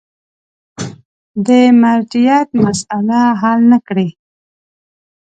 د مرجعیت مسأله حل نه کړي.